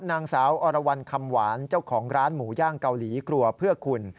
นางสาวอรวรรณคำหวานเจ้าของร้านหมูย่างเกาหลีครัวเพื่อคุณ